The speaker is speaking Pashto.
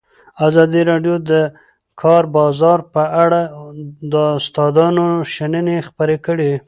ازادي راډیو د د کار بازار په اړه د استادانو شننې خپرې کړي.